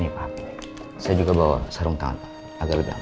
ini pak saya juga bawa sarung tangan agar lebih aman